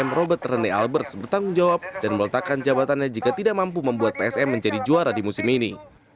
robert rene alberts bertanggung jawab dan meletakkan jabatannya jika tidak mampu membuat psm menjadi juara di musim ini